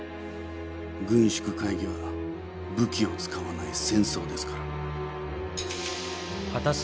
軍縮会議は武器を使わない戦争ですから。